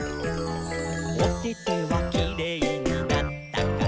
「おててはキレイになったかな？」